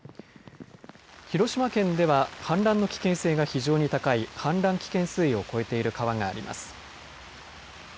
広島県では、氾濫の危険性が非常に高い氾濫危険水位を超えている川があります。